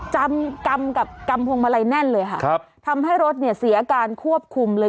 จำกำกับกำพวงมาลัยแน่นเลยค่ะครับทำให้รถเนี่ยเสียการควบคุมเลย